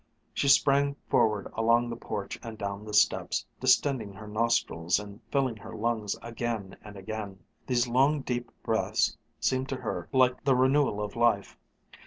She sprang forward along the porch and down the steps, distending her nostrils and filling her lungs again and again. These long deep breaths seemed to her like the renewal of life.